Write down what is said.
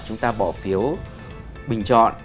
chúng ta bỏ phiếu bình chọn